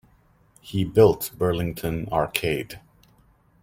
He built Burlington Arcade.